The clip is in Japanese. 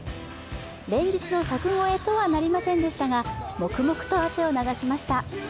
連日の柵越えとはなりませんでしたが、黙々と汗を流ししました。